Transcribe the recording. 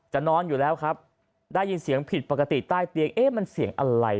นอนอยู่แล้วครับได้ยินเสียงผิดปกติใต้เตียงเอ๊ะมันเสียงอะไร